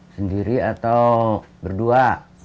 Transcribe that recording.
sendiri atau berdua